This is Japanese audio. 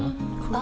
あ！